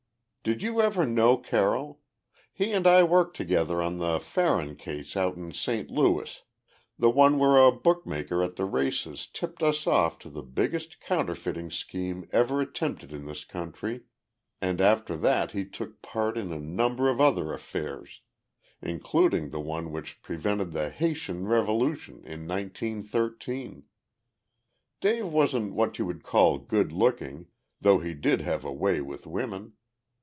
Did you ever know Carroll? He and I worked together on the Farron case out in St. Louis, the one where a bookmaker at the races tipped us off to the biggest counterfeiting scheme ever attempted in this country, and after that he took part in a number of other affairs, including the one which prevented the Haitian revolution in nineteen thirteen. Dave wasn't what you would call good looking, though he did have a way with women.